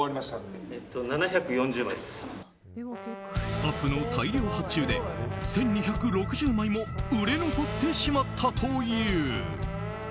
スタッフの大量発注で１２６０枚も売れ残ってしまったという。